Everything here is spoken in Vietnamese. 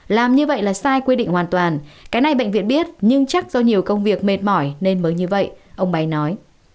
làm như vậy là sai quy định hoàn toàn cái này bệnh viện biết nhưng chắc do nhiều công việc mệt mỏi nên mới như vậy ông bé nói